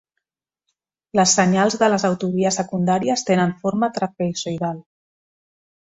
Les senyals de les autovies secundàries tenen forma trapezoïdal.